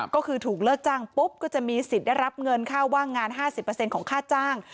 ก็คือถูกเลิกจ้างปุ๊บก็จะมีสิทธิ์ได้รับเงินค่าว่างงาน๕๐ของค่าจ้าง